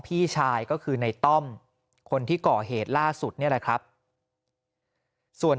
พี่ชายก็คือในต้อมคนที่ก่อเหตุล่าสุดนี่แหละครับส่วน